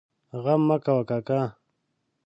غم مه کوه کاکا!